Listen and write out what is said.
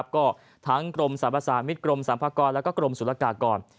ก็ทั้งกรมสรรพสามิตรกรมสรรพากรและกรมศุลกากร